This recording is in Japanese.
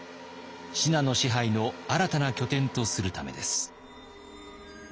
信濃支配の新たな拠点とするためです。